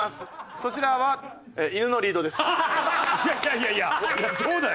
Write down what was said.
そちらはいやいやいやいやそうだよ。